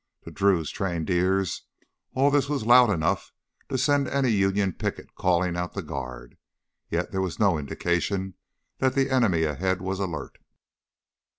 To Drew's trained ears all this was loud enough to send any Union picket calling out the guard. Yet there was no indication that the enemy ahead was alert.